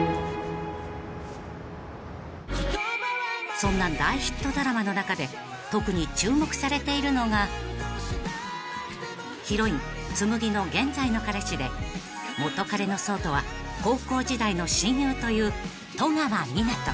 ［そんな大ヒットドラマの中で特に注目されているのがヒロイン紬の現在の彼氏で元カレの想とは高校時代の親友という戸川湊斗］